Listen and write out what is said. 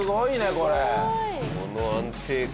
この安定感。